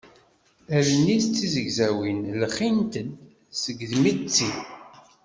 Allen-is tizegzawin lxint-d seg yimetti.